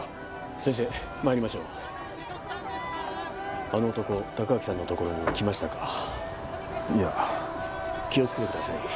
先生参りましょうあの男隆明さんの所にも来ましたかいや・気をつけてください